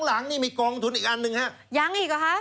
หลังนี่มีกองทุนอีกอันหนึ่งฮะยังอีกหรอคะ